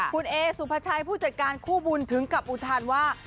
คุณเอสุภาชัยผู้จัดการคู่บุญถึงกับอุทานว่า